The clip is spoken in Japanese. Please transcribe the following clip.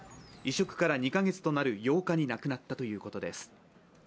移植から２カ月となる８日になくなったということです。